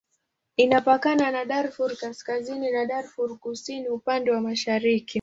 Inapakana na Darfur Kaskazini na Darfur Kusini upande wa mashariki.